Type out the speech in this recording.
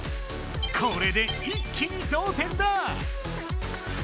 これで一気に同点だ！